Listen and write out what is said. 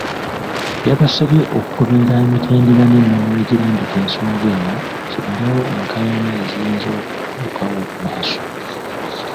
Yabasabye okugoberera emitendera n’ennono egirambika ensonga eno kimalewo enkaayana eziyinza okutuukawo mu maaso.